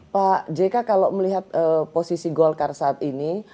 pak jk kalau melihat posisi golkar saat ini